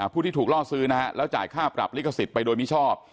ผู้ที่ถูกล่อซื้อนะฮะแล้วจ่ายค่าปรับลิขสิทธิ์ไปโดยมิชอบ